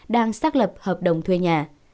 đang xác lập hợp đồng thuê nhà